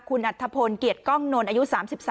คุณนัทธพลเกียรติกล้องนนอายุ๓๓ปี